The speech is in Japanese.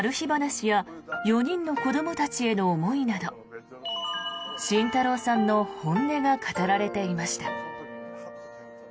話や４人の子どもたちへの思いなど慎太郎さんの本音が語られていました。